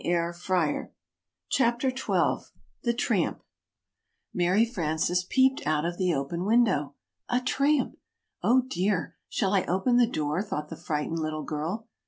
] CHAPTER XII THE TRAMP MARY FRANCES peeped out of the open window. A tramp! "Oh, dear, shall I open the door?" thought the frightened little girl.